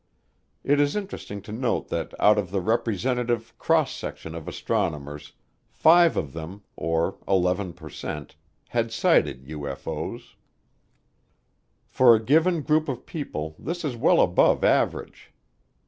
It is interesting to note that out of the representative cross section of astronomers, five of them, or 11 per cent, had sighted UFO's. For a given group of people this is well above average.